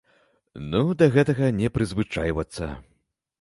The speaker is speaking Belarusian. Ну, да гэтага не прызвычайвацца.